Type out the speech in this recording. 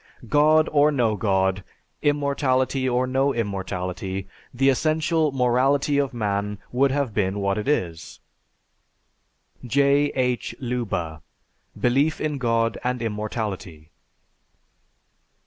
God or no God, immortality or no immortality, the essential morality of man would have been what it is." (_J. H. Leuba: "Belief in God and Immortality."